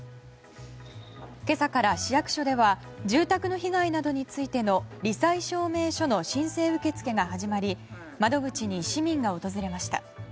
今朝から市役所では住宅の被害などについての罹災証明書の申請受付が始まり窓口に市民が訪れました。